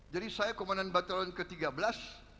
jadi saya komandan batalion ke tiga belas